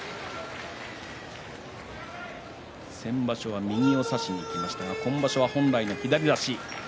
先場所は右を差しにいきましたが今場所は本来の左差し。